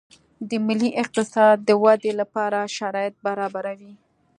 د ملي اقتصاد د ودې لپاره شرایط برابروي